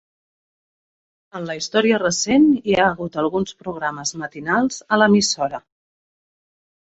En la història recent hi ha hagut alguns programes matinals a l'emissora.